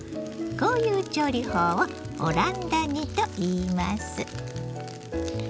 こういう調理法をオランダ煮といいます。